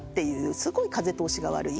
すごい風通しが悪い。